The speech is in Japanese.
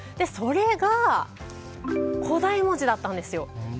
それが古代文字だったんですよ。